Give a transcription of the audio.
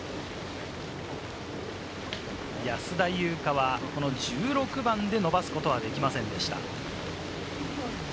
安田祐香は、この１６番で伸ばすことはできませんでした。